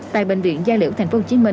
tại bệnh viện gia liễu tp hcm